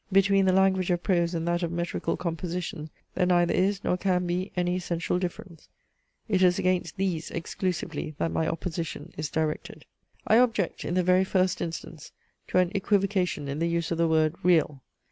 "Between the language of prose and that of metrical composition, there neither is, nor can be, any essential difference:" it is against these exclusively that my opposition is directed. I object, in the very first instance, to an equivocation in the use of the word "real."